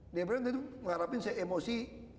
dpr itu mengharapin saya emosi